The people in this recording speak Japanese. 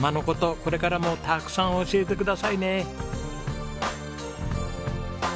これからもたくさん教えてくださいね！